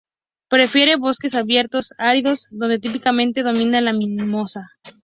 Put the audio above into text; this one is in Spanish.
Prefiere bosques abiertos áridos, donde típicamente domina la mimosa.